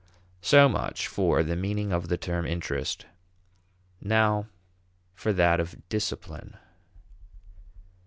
So much for the meaning of the term interest. Now for that of discipline.